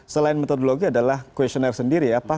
selain metodologi adalah questionnaire sendiri ya pak